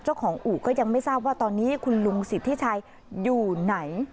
อู่ก็ยังไม่ทราบว่าตอนนี้คุณลุงสิทธิชัยอยู่ไหน